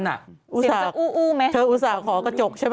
เสียงจะอู้ไหมเธออุตส่าหอกระจกใช่ไหม